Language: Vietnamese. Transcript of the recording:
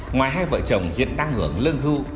ngoài hai vợ chồng hiện đang hưởng lương hưu